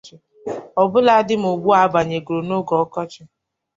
ọbụladị ma ugbua a banyegoro n'oge ọkọchị.